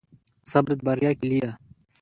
صبر د بریا کیلي ده